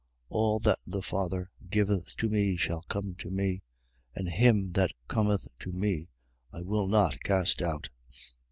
6:37. All that the Father giveth to me shall come to me: and him that cometh to me, I will not cast out.